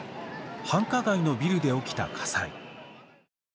繁華街のビルで起きた火災。